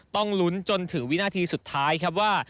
ต้องลุ้นจนถึงวินาทีสุดท้ายครับว่า